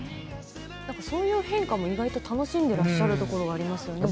そういう変化も楽しんでいらっしゃるところがありますね。